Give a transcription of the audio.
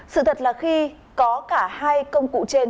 sự thật là khi có cả hai công cụ trên